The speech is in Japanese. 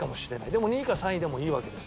でも２位か３位でもいいわけですよ